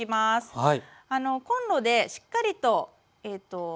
はい。